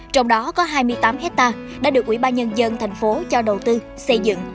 trong đó có hai mươi tám hectare đã được ủy ban nhân dân thành phố cho đầu tư xây dựng